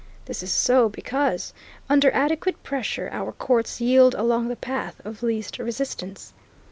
This is so because, under adequate pressure, our courts yield along the path of least resistance.